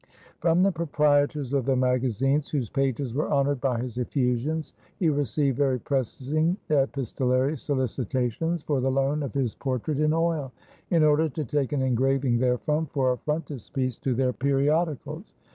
From the proprietors of the Magazines whose pages were honored by his effusions, he received very pressing epistolary solicitations for the loan of his portrait in oil, in order to take an engraving therefrom, for a frontispiece to their periodicals.